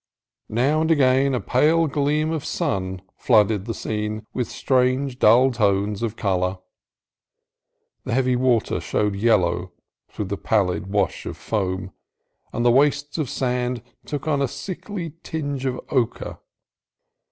Now and again a pale gleam of sun flooded the scene with strange dull tones of color: the heavy water showed yellow through the pallid wash of foam, and the wastes of sand took on a sickly tinge of ochre.